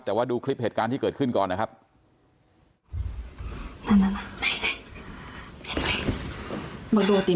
แต่ว่าดูคลิปเหตุการณ์ที่เกิดขึ้นก่อนนะครับนั่นนั่นนั่นนี่นี่